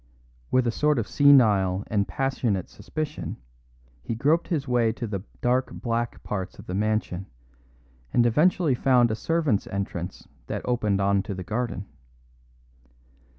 With a sort of senile and passionate suspicion he groped his way to the dark back parts of the mansion, and eventually found a servants' entrance that opened on to the garden.